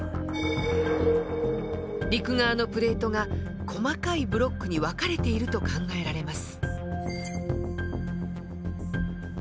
陸側のプレートが細かいブロックに分かれていると考えられます。